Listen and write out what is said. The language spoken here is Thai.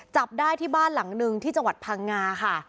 จับได้ที่บ้านหลังนึงที่จังหวัดพังงาค่ะ